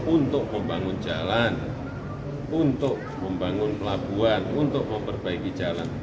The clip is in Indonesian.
untuk membangun jalan untuk membangun pelabuhan untuk memperbaiki jalan